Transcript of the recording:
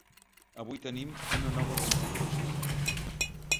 Avui tenim una nova configuració.